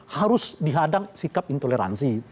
harus dihadang sikap intoleransi